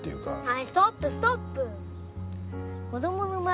はいストップストップ！